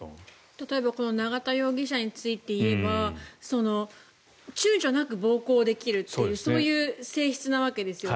例えばこの永田容疑者についていえば躊躇なく暴行できるっていうそういう性質なわけですよね。